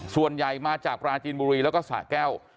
ส่วนใหญ่มาจากปราจีนบุรีแล้วก็สะแก้ว